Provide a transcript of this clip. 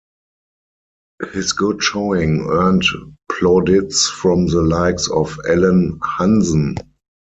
His good showing earned plaudits from the likes of Alan Hansen.